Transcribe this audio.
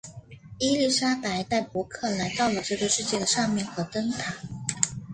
伊丽莎白带伯克来到了这个世界的上面和灯塔。